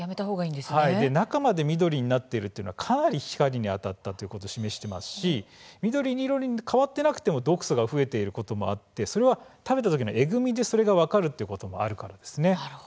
中まで緑になっているというのはかなり光に当たったことを示していますし緑色に変わっていなくても毒素が増えていることもあってそれは食べた時のえぐみで分かることもあります。